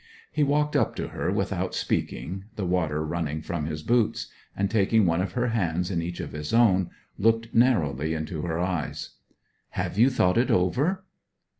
He walked up to her without speaking, the water running from his boots; and, taking one of her hands in each of his own, looked narrowly into her eyes. 'Have you thought it over?'